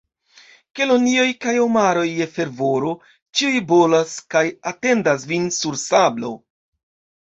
Kelonioj kaj omaroj je fervoro ĉiuj bolas, kaj atendas vin sur sablo!